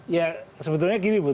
ya sebetulnya gini bu